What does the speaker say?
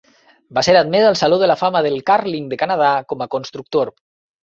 Va ser admès al Saló de la Fama del Curling de Canadà com a constructor.